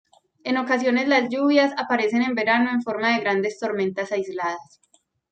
En ocasiones las lluvias aparecen en verano en forma de grandes tormentas aisladas.